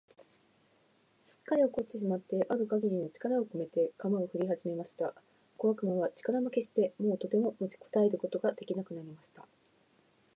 すっかり怒ってしまってある限りの力をこめて、鎌をふりはじました。小悪魔は力負けして、もうとても持ちこたえることが出来なくなりました。